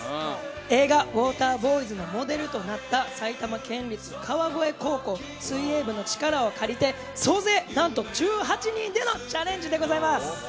映画『ウォーターボーイズ』のモデルとなった埼玉県立川越高校を水泳部の力を借りて、総勢何と１８人でのチャレンジでございます。